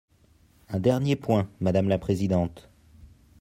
Un dernier point, madame la présidente.